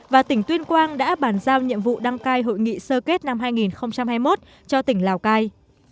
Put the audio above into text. và tỉnh tuyên quang đã bàn giao nhiệm vụ đăng cai hội nghị sơ kết năm hai nghìn hai mươi một cho tỉnh lào cai